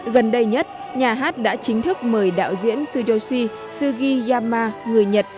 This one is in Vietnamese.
gần đây nhất nhà hát đã chính thức mời đạo diễn tsuyoshi sugiyama người nhật